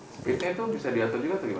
speednya itu bisa diatur juga